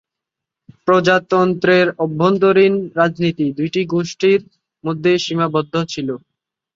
প্রজাতন্ত্রের অভ্যন্তরীণ রাজনীতি দুইটি গোষ্ঠীর মধ্যে সীমাবদ্ধ ছিল।